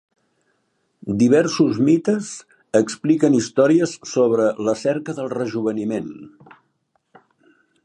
Diversos mites expliquen històries sobre la cerca del rejoveniment.